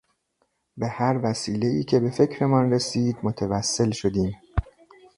به هر وسیلهای که به فکرمان رسید متوصل شدیم.